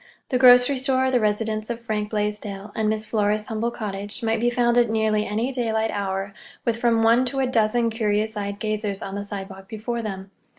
The grocery store, the residence of Frank Blaisdell, and Miss Flora's humble cottage might be found at nearly any daylight hour with from one to a dozen curious eyed gazers on the sidewalk before them.